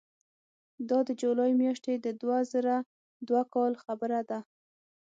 دا د جولای میاشتې د دوه زره دوه کاله خبره ده.